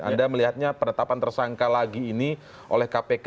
anda melihatnya penetapan tersangka lagi ini oleh kpk